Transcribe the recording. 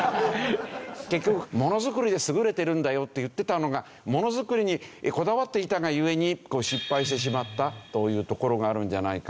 結局モノづくりで優れてるんだよって言ってたのがモノづくりにこだわっていたが故に失敗してしまったというところがあるんじゃないかな。